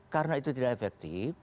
karena itu tidak efektif